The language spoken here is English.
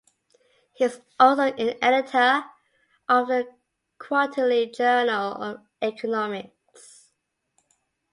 He was also an editor of the "Quarterly Journal of Economics".